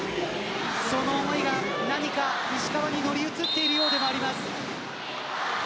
その思いが何か石川に乗り移っていようではあります。